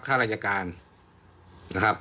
ข้าราชการนะครับ